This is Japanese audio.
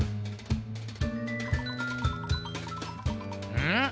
うん？